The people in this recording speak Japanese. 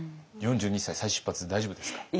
４２歳再出発大丈夫ですか？